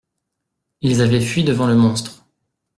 Ils avaient fui devant le monstre.